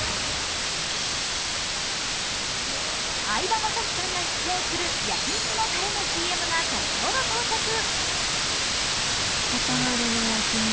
相葉雅紀さんが出演する焼肉のたれのＣＭが先ほど到着。